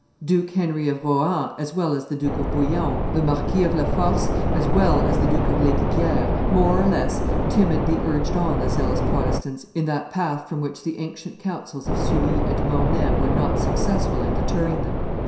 Duke Henry of Rohan as well as the Duke of Bouillon, the Marquis of La Force as well as the Duke of Lesdiguieres, more or less timidly urged on the zealous Protestants in that path from which the ancient counsels of Sully and Mornay were not successful in deterring them.